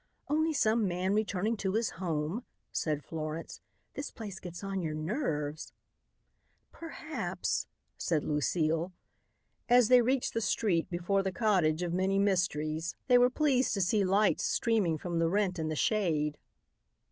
"Only some man returning to his home," said Florence. "This place gets on your nerves." "Perhaps," said Lucile. As they reached the street before the cottage of many mysteries they were pleased to see lights streaming from the rent in the shade.